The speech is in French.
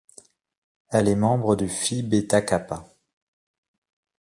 Elle est membre du Phi Beta Kappa.